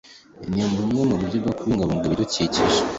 ni bumwe mu buryo bwo kubungabunga ibidukikije